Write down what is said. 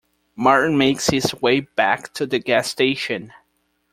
Martin makes his way back to the gas station.